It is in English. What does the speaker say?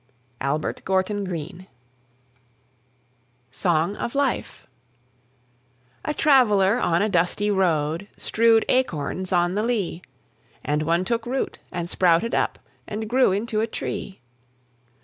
ALBERT GORTON GREENE. SONG OF LIFE. A traveller on a dusty road Strewed acorns on the lea; And one took root and sprouted up, And grew into a tree.